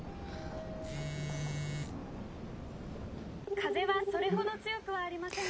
「風はそれほど強くはありませんが」。